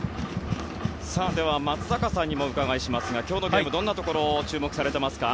では、松坂さんにもお伺いしますが今日のゲーム、どんなところに注目されていますか？